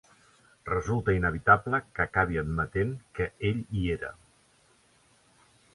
Resulta inevitable que acabi admetent que ell hi era.